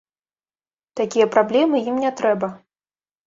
Такія праблемы ім не трэба.